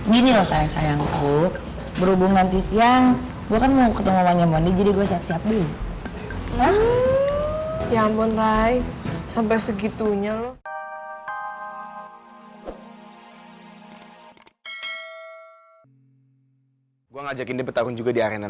gini loh sayang sayangku berhubung nanti siang gue kan mau ketemu omonya mwondi jadi gue siap siap dulu